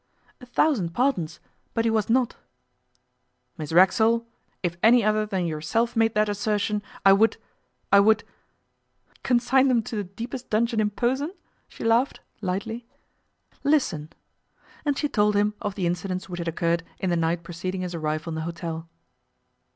'A thousand pardons, but he was not.' 'Miss Racksole, if any other than yourself made that assertion, I would I would ' 'Consign them to the deepest dungeon in Posen?' she laughed, lightly. 'Listen.' And she told him of the incidents which had occurred in the night preceding his arrival in the hotel.